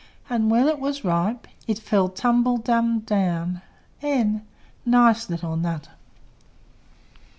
And when it was ripe, It fell tumble dum down. n! Nice little nut!